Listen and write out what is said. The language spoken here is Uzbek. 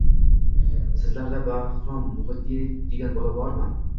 Sizlarda Bahrom Muhiddinov degan bola bormi